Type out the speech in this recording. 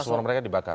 paspor mereka dibakar